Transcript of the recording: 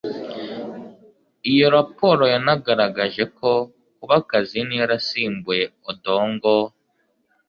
iyo raporo yanagaragaje ko kuba kazini yarasimbuye odongo